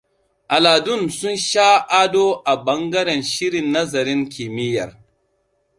Aladun sun sha ado a bangaren shirin nazarin kimiyyar.